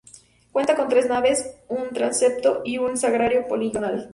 Cuenta con tres naves, un transepto y un sagrario poligonal.